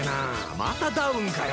またダウンかよ。